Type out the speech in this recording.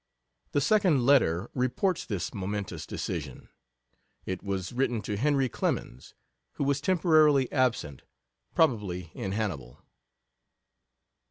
The second letter reports this momentous decision. It was written to Henry Clemens, who was temporarily absent probably in Hannibal.